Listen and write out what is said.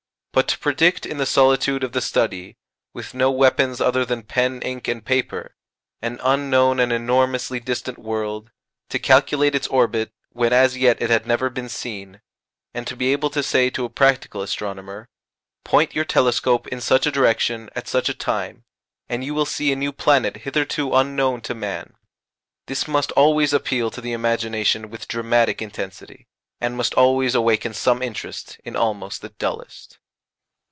But to predict in the solitude of the study, with no weapons other than pen, ink, and paper, an unknown and enormously distant world, to calculate its orbit when as yet it had never been seen, and to be able to say to a practical astronomer, "Point your telescope in such a direction at such a time, and you will see a new planet hitherto unknown to man" this must always appeal to the imagination with dramatic intensity, and must awaken some interest in almost the dullest.